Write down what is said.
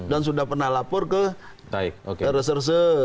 dan sudah pernah lapor ke rsrse